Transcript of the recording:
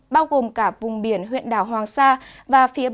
bao gồm cả vùng biển huyện đảo hoàng sa và phía bắc